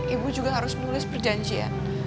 ibu juga harus menulis perjanjian